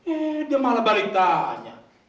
eh dia malah balik tanya